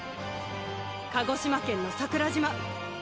鹿児島県の桜島。